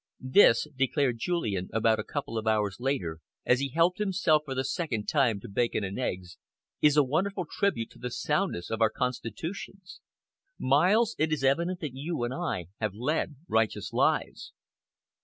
"This," declared Julian, about a couple of hours later, as he helped himself for the second time to bacon and eggs, "is a wonderful tribute to the soundness of our constitutions. Miles, it is evident that you and I have led righteous lives."